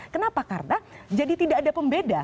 kenapa karena jadi tidak ada pembeda